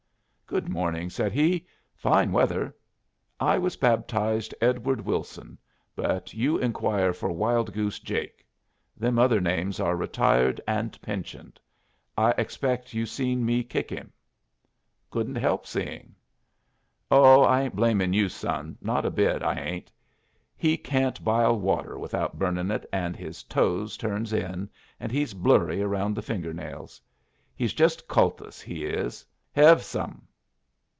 "Good morning," said he. "Fine weather. I was baptized Edward Wilson, but you inquire for Wild Goose Jake. Them other names are retired and pensioned. I expect you seen me kick him?" "Couldn't help seeing." "Oh, I ain't blamin' you, son, not a bit, I ain't. He can't bile water without burnin' it, and his toes turns in, and he's blurry round the finger nails. He's jest kultus, he is. Hev some?"